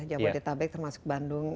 jabodetabek termasuk bandung